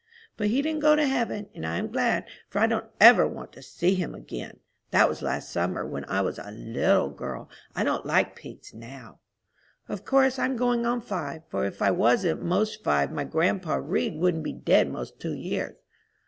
But he didn't go to heaven, and I'm glad, for I don't ever want to see him again. That was last summer, when I was a little girl. I don't like pigs now. Of course I'm going on five, for if I wasn't most five my grandpa Read wouldn't be dead most two years.